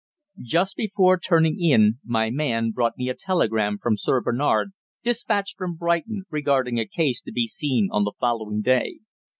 Just before turning in my man brought me a telegram from Sir Bernard, dispatched from Brighton, regarding a case to be seen on the following day.